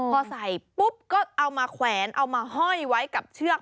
พอใส่ปุ๊บก็เอามาแขวนเอามาห้อยไว้กับเชือก